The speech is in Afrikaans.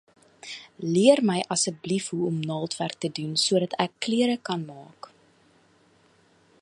Leer my asseblief hoe om naaldwerk te doen sodat ek klere kan maak.